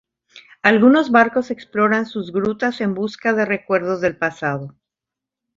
Algunos barcos exploran sus grutas en busca de recuerdos del pasado.